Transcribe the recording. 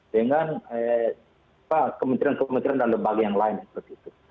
dengan kementerian kementerian dalam bagian lain seperti itu